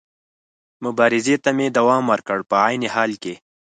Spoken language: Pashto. مبارزې ته مې دوام ورکړ، په عین حال کې.